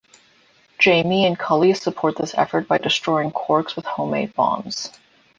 Jamie and Cully support this effort by destroying Quarks with homemade bombs.